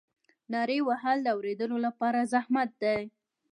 نارې وهل د اورېدلو لپاره زحمت دی.